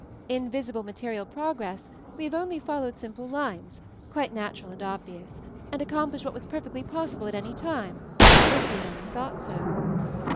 In vis ible material progress we have only followed simple lines, quite natural and obvious, and accomplished what was perfectly possible at any time — if we had only thought so."